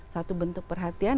satu bentuk perhatian